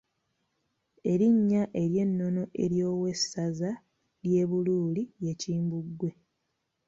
Erinnya ery’ennono ery’owessaza ly’e Buluuli ye Kimbugwe.